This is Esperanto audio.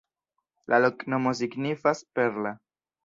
La loknomo signifas: perla.